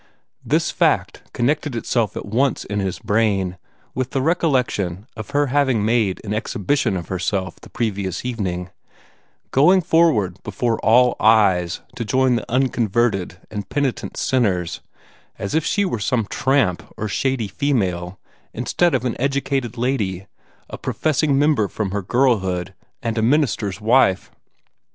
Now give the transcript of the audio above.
This fact connected itself at once in his brain with the recollection of her having made an exhibition of herself the previous evening going forward before all eyes to join the unconverted and penitent sinners, as if she were some tramp or shady female, instead of an educated lady, a professing member from her girlhood, and a minister's wife.